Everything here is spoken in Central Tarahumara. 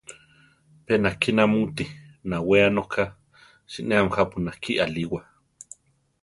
Pe nakí namúti, nawéa noka; sinéami jápi náki alíwa.